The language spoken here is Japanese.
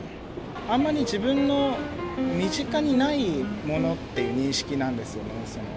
あんまり自分の身近にないものっていう認識なんですよね。